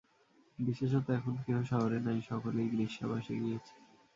বিশেষত এখন কেহ শহরে নাই, সকলেই গ্রীষ্মাবাসে গিয়াছে।